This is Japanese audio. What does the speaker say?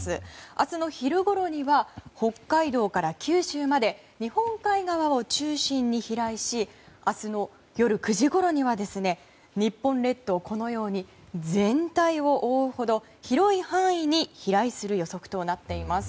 明日の昼ごろには北海道から九州まで日本海側を中心に飛来し明日の夜９時ごろには日本列島の全体を覆うほど広い範囲に飛来する予測となっています。